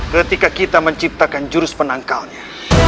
ketika kita menciptakan jurus penangkalnya